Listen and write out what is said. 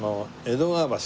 江戸川橋。